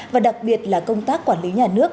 và đặc biệt là công tác quản lý nhà nước